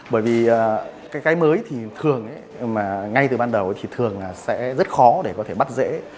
bởi vì cái mới thì thường mà ngay từ ban đầu thì thường là sẽ rất khó để có thể bắt dễ